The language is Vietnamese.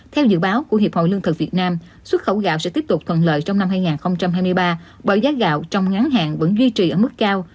theo dự báo của hiệp hội lương thực việt nam xuất khẩu gạo sẽ tiếp tục thuận lợi trong năm hai nghìn hai mươi ba bởi giá gạo trong ngắn hạn vẫn duy trì ở mức cao